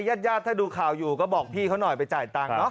ใครยาดถ้าดูข่าวอยู่ก็บอกพี่เขาน่อยไปจ่ายตังค์